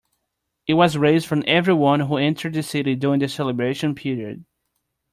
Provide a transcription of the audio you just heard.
It was raised from everyone who entered the city during the celebration period.